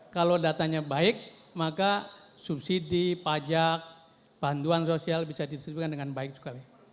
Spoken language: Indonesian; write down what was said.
kalau datanya baik maka subsidi pajak bantuan sosial bisa didistribusikan dengan baik sekali